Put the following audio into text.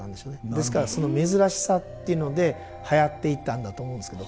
ですからその珍しさっていうのではやっていったんだと思うんですけど。